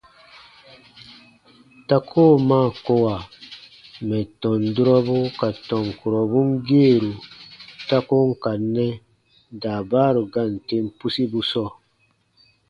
Ta koo maa kowa mɛ̀ tɔn durɔbu ka tɔn kurɔbun geeru ta ko n ka nɛ daabaaru gaan tem pusibu sɔɔ.